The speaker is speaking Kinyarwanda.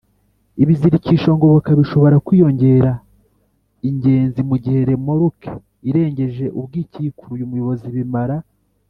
ibizirikisho ngoboka bishobora kwiyongera ingenzi mugihe remoruke irengeje ubwikikuruye umuyobozi bimara